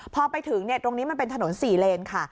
พอไปถึงตรงนี้มันเป็นถนน๔เลนค่ะ